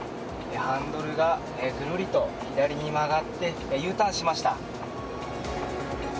ハンドルがぐるりと左に曲がってＵターンしました。